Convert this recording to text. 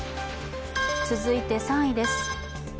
続いて３位です。